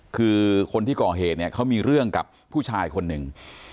คือคนที่ก่อเหตุเนี่ยเขามีเรื่องกับผู้ชายคนหนึ่ง